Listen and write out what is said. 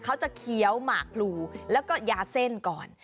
เขาจะเคี้ยวหมากพลูแล้วก็ยาเส้นก่อน